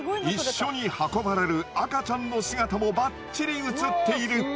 一緒に運ばれる赤ちゃんの姿もバッチリ映っている。